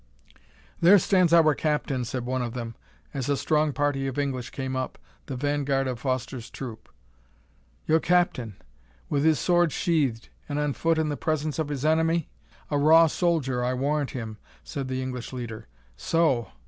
"There stands our Captain," said one of them, as a strong party of English came up, the vanguard of Foster's troop. "Your Captain! with his sword sheathed, and on foot in the presence of his enemy? a raw soldier, I warrant him," said the English leader. "So!